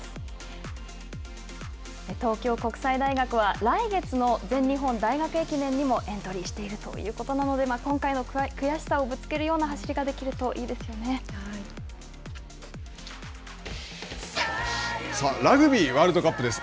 東京国際大学は来月の全日本大学駅伝にもエントリーしているということなので今回の悔しさをぶつけるような走りができるとラグビーワールドカップです。